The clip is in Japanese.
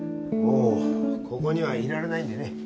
もうここにはいられないんでね。